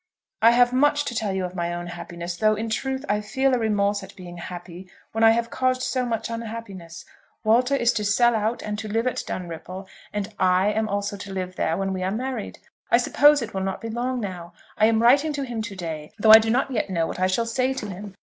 I have much to tell you of my own happiness, though, in truth, I feel a remorse at being happy when I have caused so much unhappiness. Walter is to sell out and to live at Dunripple, and I also am to live there when we are married. I suppose it will not be long now. I am writing to him to day, though I do not yet know what I shall say to him.